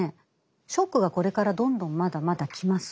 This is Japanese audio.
ショックがこれからどんどんまだまだ来ます。